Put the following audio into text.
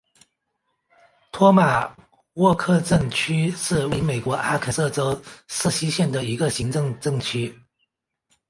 托马霍克镇区是位于美国阿肯色州瑟西县的一个行政镇区。